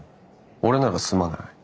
俺なら住まない。